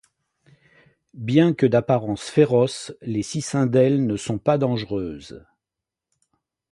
Bien que d'apparence féroce, les cicindèles ne sont pas dangereuses.